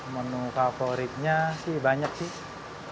menu favoritnya sih banyak sih